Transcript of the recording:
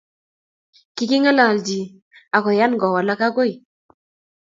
kingi ngalalchi ak koyan kowalak agoi